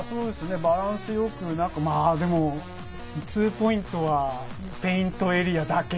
バランスよく、まあでも、ツーポイントはペイントエリアだけ。